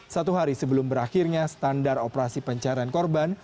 satu hari sebelum berakhirnya standar operasi pencarian korban